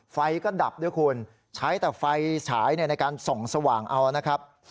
ไฟก็ดับด้วยคุณใช้แต่ไฟฉายในการส่องสว่างเอานะครับ